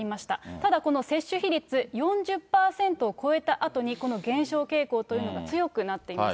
ただこの接種比率４０％を超えたあとに、この減少傾向というのが強くなっています。